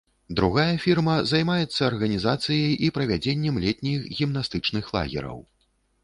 Другая фірма займаецца арганізацыяй і правядзеннем летніх гімнастычных лагераў.